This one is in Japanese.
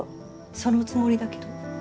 そのつもりだけど。